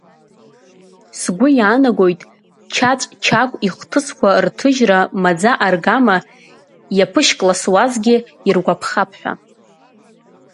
Сгәы иаанагоит Чаҵә Чагә ихҭысқәа рҭыжьра маӡа-аргама иаԥышькласуазгьы иргәаԥхап ҳәа.